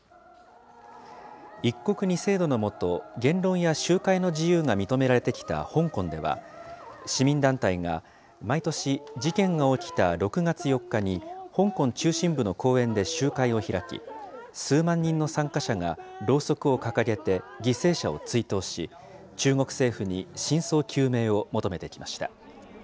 一国二制度の下、言論や集会の自由が認められてきた香港では、市民団体が毎年、事件が起きた６月４日に、香港中心部の公園で集会を開き、数万人の参加者がろうそくを掲げて、犠牲者を追悼し、中国政府に真相究明を求めてきました。